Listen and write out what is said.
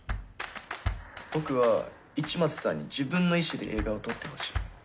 僕は市松さんに自分の意思で映画を撮ってほしい。